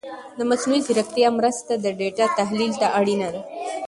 د مصنوعي ځیرکتیا مرسته د ډېټا تحلیل ته اړینه ده.